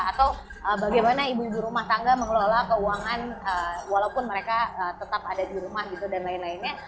atau bagaimana ibu ibu rumah tangga mengelola keuangan walaupun mereka tetap ada di rumah gitu dan lain lainnya